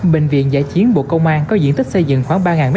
bệnh viện giã chiến bộ công an có diện tích xây dựng khoảng ba m hai